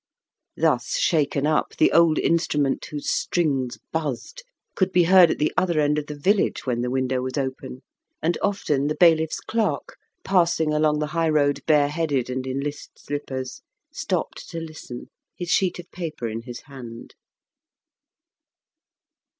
Thus shaken up, the old instrument, whose strings buzzed, could be heard at the other end of the village when the window was open, and often the bailiff's clerk, passing along the highroad bare headed and in list slippers, stopped to listen, his sheet of paper in his hand.